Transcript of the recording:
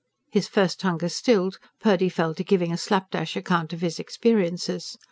His first hunger stilled, Purdy fell to giving a slapdash account of his experiences.